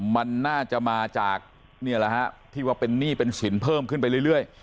มันน่าจะมาจากนี่แหละฮะที่ว่าเป็นหนี้เป็นสินเพิ่มขึ้นไปเรื่อย